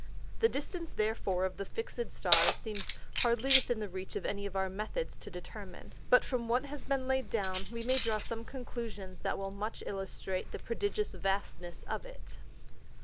The Distance therefore of the fix'd Stars seems hardly within the reach of any of our Methods to determine; but from what has been laid down, we may draw some Conclusions that will much illustrate the prodigious vastness of it.